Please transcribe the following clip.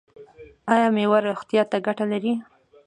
ایا میوه روغتیا ته ګټه لري؟